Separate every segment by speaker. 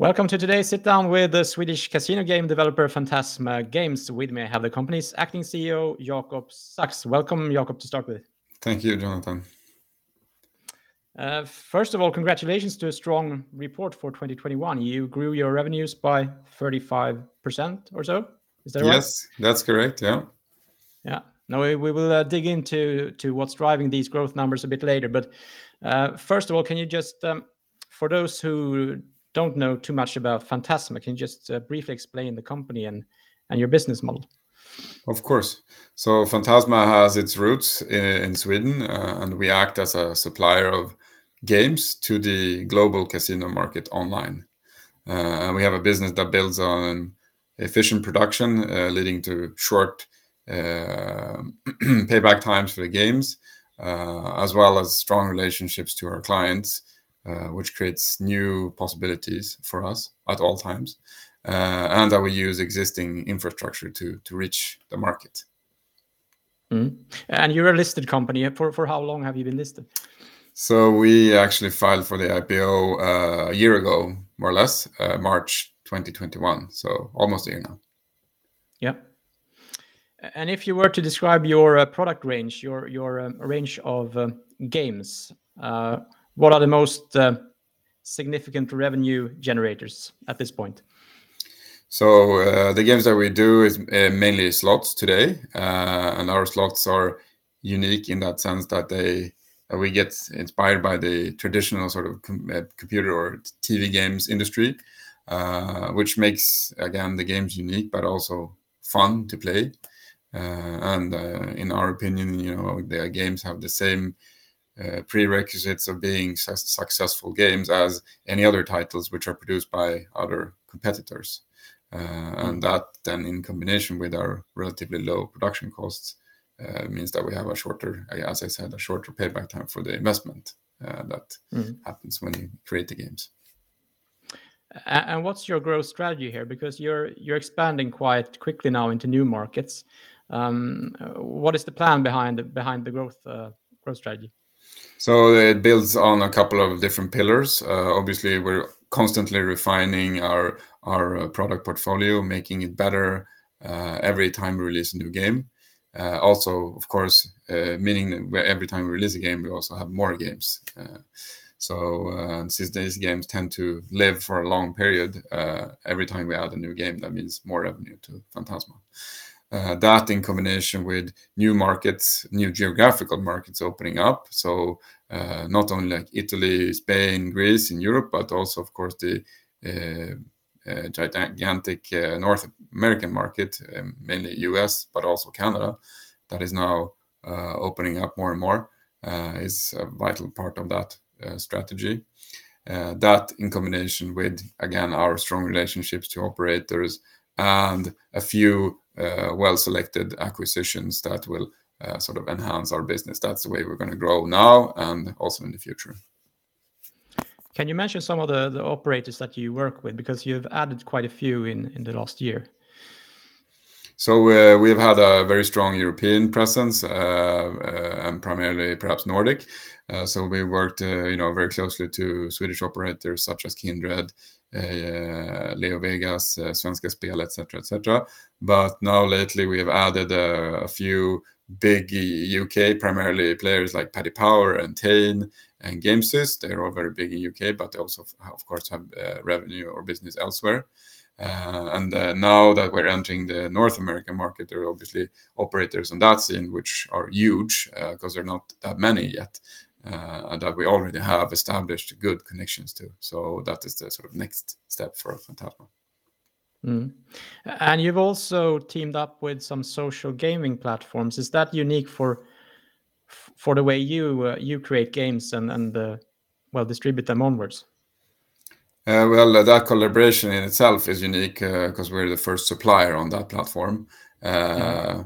Speaker 1: Welcome to today's sit down with the Swedish casino game developer Fantasma Games. With me, I have the company's Acting CEO, Jacob Sachs. Welcome, Jacob, to start with.
Speaker 2: Thank you, Jonathan.
Speaker 1: First of all, congratulations to a strong report for 2021. You grew your revenues by 35% or so. Is that right?
Speaker 2: Yes. That's correct. Yeah.
Speaker 1: Yeah. Now we will dig into what's driving these growth numbers a bit later. First of all, can you just for those who don't know too much about Fantasma, can you just briefly explain the company and your business model?
Speaker 2: Of course. Fantasma has its roots in Sweden, and we act as a supplier of games to the global casino market online. We have a business that builds on efficient production, leading to short payback times for the games, as well as strong relationships to our clients, which creates new possibilities for us at all times, and we use existing infrastructure to reach the market.
Speaker 1: You're a listed company. For how long have you been listed?
Speaker 2: We actually filed for the IPO, a year ago, more or less, March 2021, so almost a year now.
Speaker 1: Yeah. If you were to describe your product range, your range of games, what are the most significant revenue generators at this point?
Speaker 2: The games that we do is mainly slots today. Our slots are unique in that sense that we get inspired by the traditional sort of computer or TV games industry which makes, again, the games unique but also fun to play. In our opinion, you know, the games have the same prerequisites of being successful games as any other titles which are produced by other competitors. That then in combination with our relatively low production costs means that we have a shorter, as I said, payback time for the investment—
Speaker 1: Mm.
Speaker 2: —and that appens when you create the games.
Speaker 1: What's your growth strategy here? Because you're expanding quite quickly now into new markets. What is the plan behind the growth strategy?
Speaker 2: It builds on a couple of different pillars. Obviously we're constantly refining our product portfolio, making it better every time we release a new game. Also of course, meaning where every time we release a game, we also have more games. Since these games tend to live for a long period, every time we add a new game, that means more revenue to Fantasma, that in combination with new markets, new geographical markets opening up. So not only like Italy, Spain, Greece in Europe, but also of course the gigantic North American market, mainly U.S., but also Canada, that is now opening up more and more, is a vital part of that strategy. That in combination with, again, our strong relationships to operators and a few well-selected acquisitions that will sort of enhance our business, that's the way we're gonna grow now and also in the future.
Speaker 1: Can you mention some of the operators that you work with? Because you've added quite a few in the last year.
Speaker 2: We've had a very strong European presence, and primarily perhaps Nordic. We worked, you know, very closely to Swedish operators such as Kindred, LeoVegas, Svenska Spel, et cetera. Now lately we have added a few big U.K. primarily players like Paddy Power and Entain and Gamesys. They're all very big in U.K., but they also of course have revenue or business elsewhere. Now that we're entering the North American market, there are obviously operators on that scene which are huge, 'cause they're not that many yet, and that we already have established good connections to. That is the sort of next step for Fantasma.
Speaker 1: You've also teamed up with some social gaming platforms. Is that unique for the way you create games and well distribute them onwards?
Speaker 2: Well, that collaboration in itself is unique, 'cause we're the first supplier on that platform. I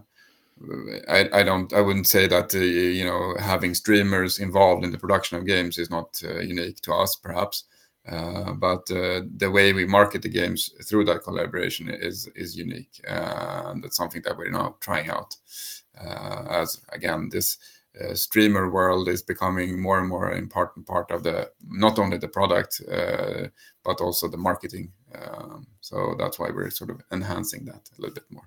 Speaker 2: wouldn't say that, you know, having streamers involved in the production of games is not unique to us perhaps. The way we market the games through that collaboration is unique, and it's something that we're now trying out. As again, this streamer world is becoming more and more important part of not only the product, but also the marketing. That's why we're sort of enhancing that a little bit more.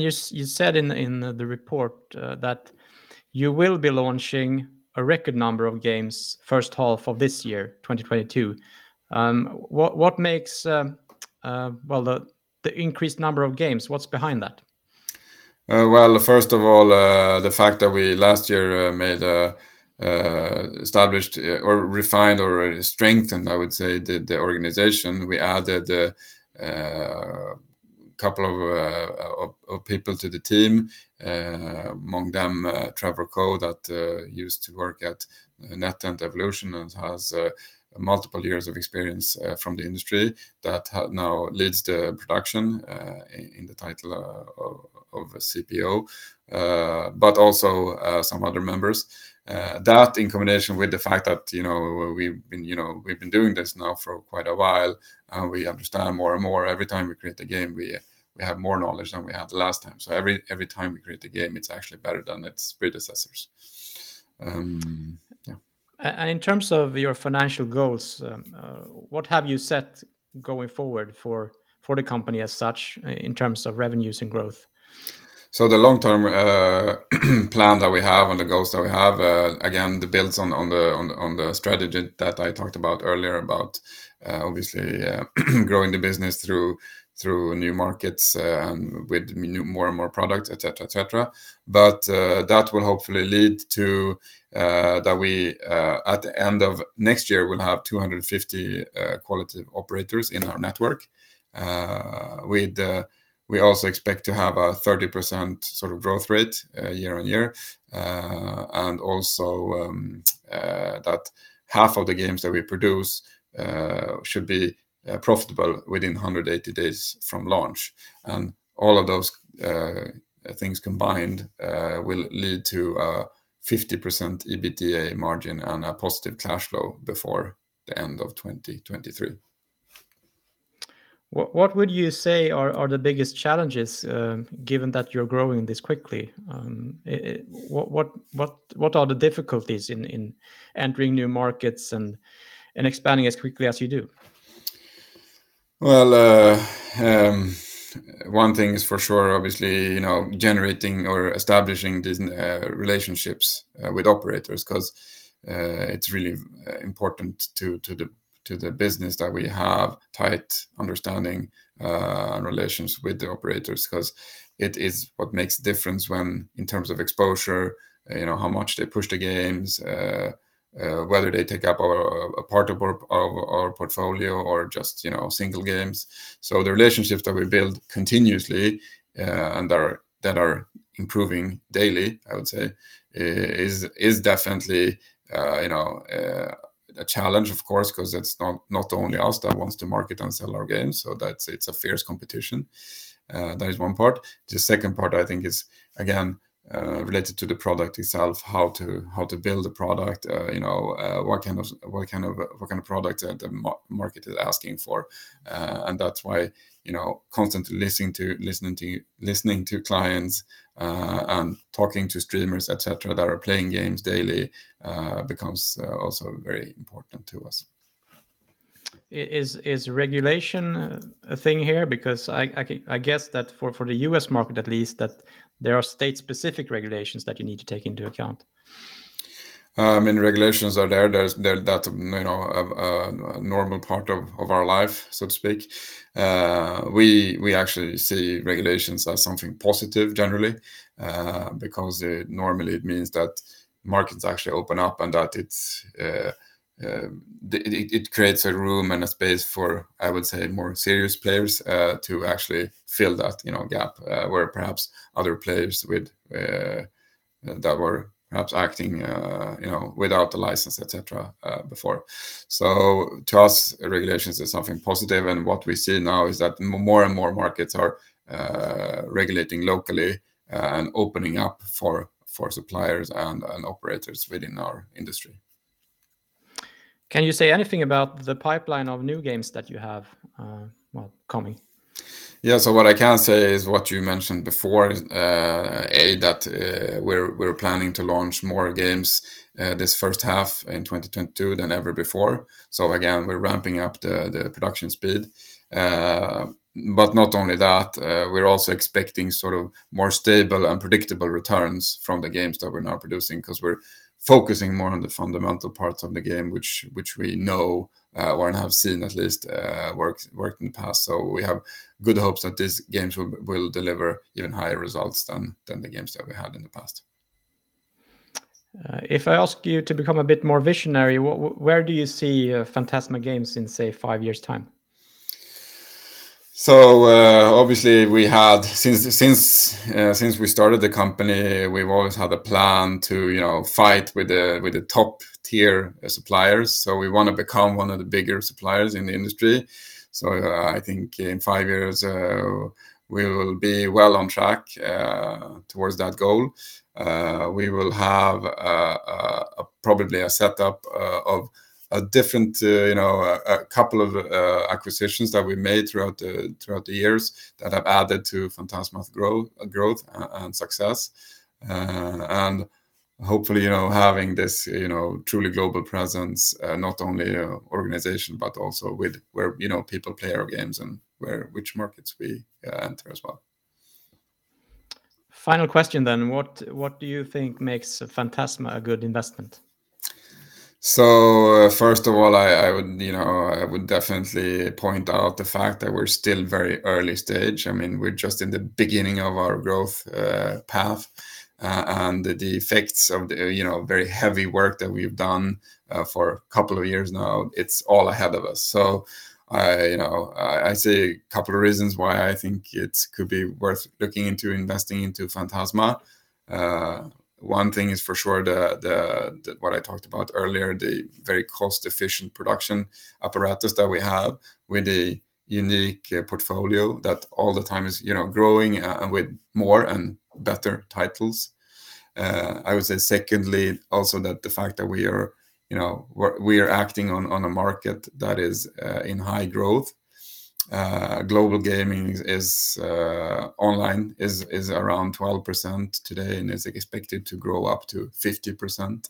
Speaker 1: You said in the report that you will be launching a record number of games first half of this year, 2022. What makes, well, the increased number of games? What's behind that?
Speaker 2: Well, first of all, the fact that we last year established or refined or strengthened, I would say, the organization. We added a couple of people to the team, among them, Trevor Ko, that used to work at NetEnt, Evolution and has multiple years of experience from the industry that now leads the product in the title of CPO, but also some other members. That in combination with the fact that, you know, we've been doing this now for quite a while and we understand more and more every time we create a game. We have more knowledge than we had the last time. Every time we create a game, it's actually better than its predecessors. Yeah.
Speaker 1: In terms of your financial goals, what have you set going forward for the company as such in terms of revenues and growth?
Speaker 2: The long-term plan that we have and the goals that we have again, it builds on the strategy that I talked about earlier about obviously growing the business through new markets and with new more and more products, et cetera, et cetera. That will hopefully lead to that we at the end of next year will have 250 quality operators in our network. We also expect to have a 30% sort of growth rate year-on-year. That half of the games that we produce should be profitable within 180 days from launch. All of those things combined will lead to a 50% EBITDA margin and a positive cashflow before the end of 2023.
Speaker 1: What would you say are the biggest challenges, given that you're growing this quickly? What are the difficulties in entering new markets and expanding as quickly as you do?
Speaker 2: Well, one thing is for sure, obviously, you know, generating or establishing these relationships with operators, 'cause it's really important to the business that we have tight understanding and relations with the operators. 'Cause it is what makes difference when, in terms of exposure, you know, how much they push the games, whether they take up a part of our portfolio or just, you know, single games. The relationships that we build continuously and that are improving daily, I would say, is definitely, you know, a challenge of course, 'cause it's not only us that wants to market and sell our games, so that's it. It's a fierce competition. That is one part. The second part I think is, again, related to the product itself, how to build a product, you know, what kind of product is the market asking for? That's why, you know, constantly listening to clients, and talking to streamers, et cetera, that are playing games daily, becomes also very important to us.
Speaker 1: Is regulation a thing here? Because I guess that for the U.S. market at least, there are state-specific regulations that you need to take into account.
Speaker 2: Regulations are there. That's, you know, a normal part of our life, so to speak. We actually see regulations as something positive generally, because normally it means that markets actually open up and that it creates a room and a space for, I would say, more serious players to actually fill that, you know, gap, where perhaps other players that were perhaps acting, you know, without the license, et cetera, before. To us, regulations is something positive, and what we see now is that more and more markets are regulating locally and opening up for suppliers and operators within our industry.
Speaker 1: Can you say anything about the pipeline of new games that you have, well, coming?
Speaker 2: Yeah. What I can say is what you mentioned before, that we're planning to launch more games this first half in 2022 than ever before. Again, we're ramping up the production speed. But not only that, we're also expecting sort of more stable and predictable returns from the games that we're now producing, 'cause we're focusing more on the fundamental parts of the game, which we know or have seen at least worked in the past. We have good hopes that these games will deliver even higher results than the games that we had in the past.
Speaker 1: If I ask you to become a bit more visionary, where do you see Fantasma Games in, say, five years' time?
Speaker 2: Since we started the company, we've always had a plan to, you know, fight with the top-tier suppliers. We wanna become one of the bigger suppliers in the industry. I think in five years, we will be well on track towards that goal. We will have probably a setup of a different, you know, a couple of acquisitions that we made throughout the years that have added to Fantasma's growth and success. Hopefully, you know, having this, you know, truly global presence, not only a organization, but also with where, you know, people play our games and where which markets we enter as well.
Speaker 1: Final question. What do you think makes Fantasma a good investment?
Speaker 2: First of all, I would definitely point out the fact that we're still very early stage. I mean, we're just in the beginning of our growth path. The effects of the you know very heavy work that we've done for a couple of years now, it's all ahead of us. You know, I say a couple of reasons why I think it could be worth looking into investing into Fantasma. One thing is for sure, what I talked about earlier, the very cost-efficient production apparatus that we have with a unique portfolio that all the time is you know growing and with more and better titles. I would say secondly also that the fact that we are you know. We are acting on a market that is in high growth. Global online gaming is around 12% today, and is expected to grow up to 50%.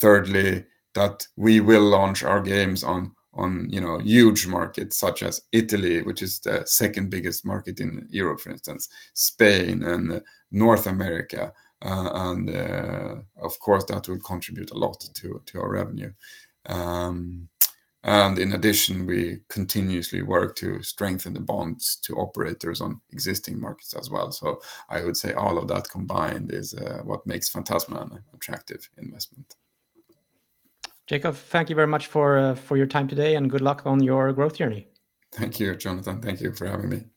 Speaker 2: Thirdly, we will launch our games on you know huge markets such as Italy, which is the second-biggest market in Europe, for instance, Spain and North America. Of course, that will contribute a lot to our revenue. In addition, we continuously work to strengthen the bonds to operators on existing markets as well. I would say all of that combined is what makes Fantasma an attractive investment.
Speaker 1: Jacob, thank you very much for your time today, and good luck on your growth journey.
Speaker 2: Thank you, Jonathan. Thank you for having me.